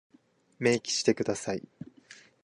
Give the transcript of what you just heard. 明記してください。